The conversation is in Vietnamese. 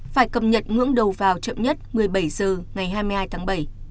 phải cập nhật ngưỡng đầu vào chậm nhất một mươi bảy h ngày hai mươi hai tháng bảy